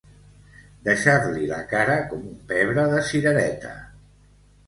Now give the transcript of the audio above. Deixar-li la cara com un pebre de cirereta.